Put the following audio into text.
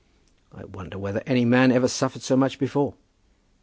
I wonder whether any man ever suffered so much before.